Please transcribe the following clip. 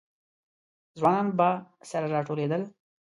ځوانان به سره راټولېدل.